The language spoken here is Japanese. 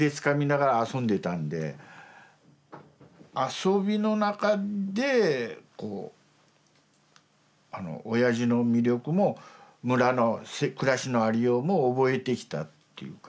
遊びの中でこうおやじの魅力も村の暮らしのありようも覚えてきたっていうか。